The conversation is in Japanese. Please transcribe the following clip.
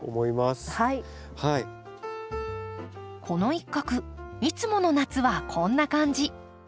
この一画いつもの夏はこんな感じ。